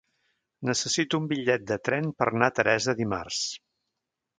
Necessito un bitllet de tren per anar a Teresa dimarts.